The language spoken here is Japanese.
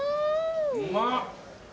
うまっ！